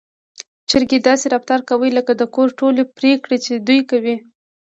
چرګې داسې رفتار کوي لکه د کور ټولې پرېکړې چې دوی کوي.